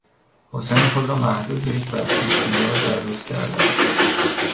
حسین خود را محدود به یک بسته سیگار در روز کرده است.